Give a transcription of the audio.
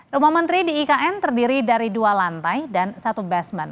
rumah menteri di ikn terdiri dari dua lantai dan satu basement